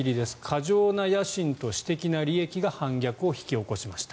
過剰な野心と私的な利益が反逆を引き起こしました。